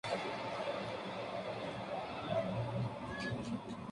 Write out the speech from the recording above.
El seminario recibió la advocación del papa San Dámaso.